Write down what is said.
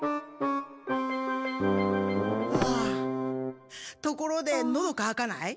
はあところでのどかわかない？